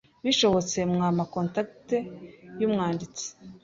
Bishobotse mwampa contact y'umwanditsi,